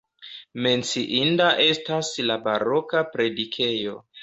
Menciinda estas la baroka predikejo.